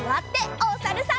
おさるさん。